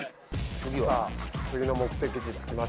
次の目的地着きました。